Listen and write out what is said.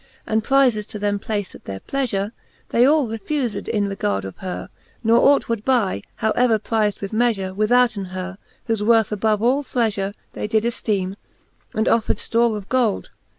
And prifes to them placed at their pleafure. They all refufed in regard of her, Ne ought would buy, how ever prifd with meafure, Withouten her, whofe worth above all threafure They did efteeme, and offred ftore of gold.